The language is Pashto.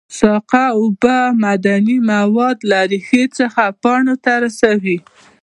ساقه اوبه او معدني مواد له ریښو څخه پاڼو ته رسوي